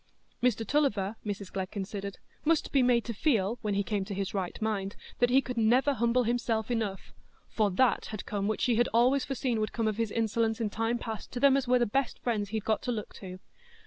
Mr Tulliver, Mrs Glegg considered, must be made to feel, when he came to his right mind, that he could never humble himself enough; for that had come which she had always foreseen would come of his insolence in time past "to them as were the best friends he'd got to look to."